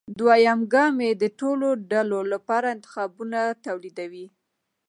دویم ګام کې د ټولو ډلو لپاره انتخابونه توليدوي.